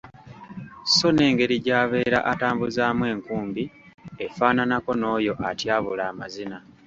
Sso n’engeri gy'abeera atambuzaamu enkumbi afaanaanako n'oyo atyabula amazina.